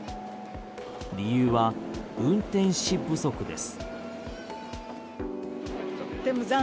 理由は運転手不足です。